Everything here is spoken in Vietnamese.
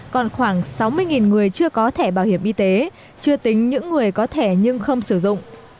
còn khoảng sáu mươi người chưa có thẻ bảo hiểm y tế chưa tính những người có thẻ nhưng không sử dụng